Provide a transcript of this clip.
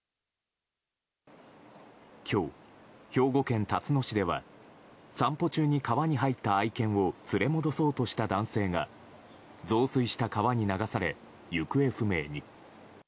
今日、兵庫県たつの市では散歩中に川に入った愛犬を連れ戻そうとした男性が増水した川に流され、行方不明に。